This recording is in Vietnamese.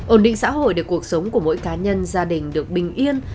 ổn định xã hội để cuộc sống của mỗi cá nhân gia đình được bình yên